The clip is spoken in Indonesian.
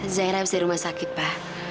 zaira habis di rumah sakit pa